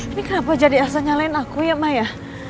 ini kenapa jadi asa nyalain aku ya maya